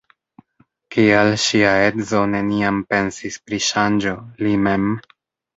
Kial ŝia edzo neniam pensis pri ŝanĝo, li mem?